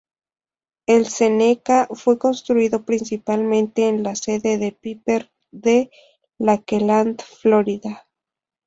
El Seneca fue construido principalmente en la sede de Piper de Lakeland, Florida.